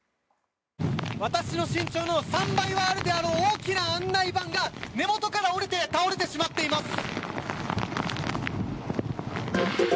私の身長の３倍はあるであろう大きな案内板が根元から折れて倒れてしまっています。